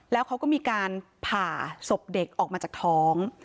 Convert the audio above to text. แล้วเขาก็มีการผ่าศพเด็กออกมาจากท้อง